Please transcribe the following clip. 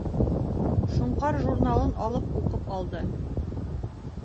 «Шоңҡар» журналын алып уҡып алды.